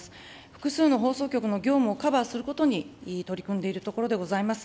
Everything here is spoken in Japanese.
複数の放送局の業務をカバーすることに取り組んでいるところでございます。